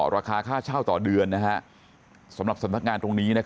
ราคาค่าเช่าต่อเดือนสำหรับสำนักงานตรงนี้